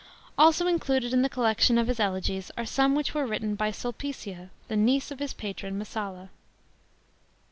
Also included in the collection of his elegies are some which were written by STJLPICIA, the niece of his patron Messalla.